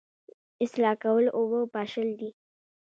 اصلاح کول اوبه پاشل دي